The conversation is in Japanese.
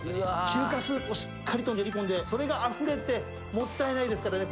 中華スープをしっかりと練り込んでそれがあふれてもったいないですからね